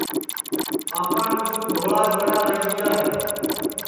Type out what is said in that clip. ٻاپان مِسکُو دھوݪا جوڑا لائی دؔیا ہے